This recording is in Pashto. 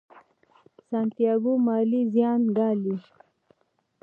سانتیاګو مالي زیان ګالي.